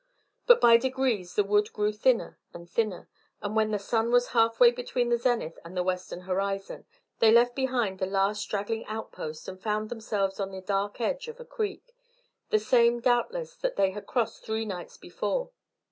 But by degrees the wood grew thinner and thinner; and when the sun was half way between the zenith and the western horizon, they left behind the last straggling outpost and found themselves on the edge of a creek, the same doubtless that they had crossed three nights before.